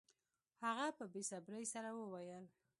هغه په بې صبرۍ سره وویل